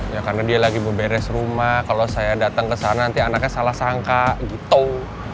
ya karena dia lagi memberes rumah kalau saya datang ke sana nanti anaknya salah sangka gitu